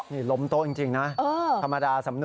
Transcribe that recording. นี่ล้มโต๊ะจริงนะธรรมดาสำนวน